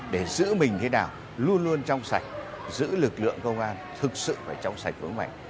để giữ mình thế nào luôn luôn trong sạch giữ lực lượng công an thực sự phải trong sạch vững mạnh